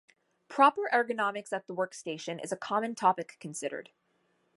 Proper ergonomics at the workstation is a common topic considered.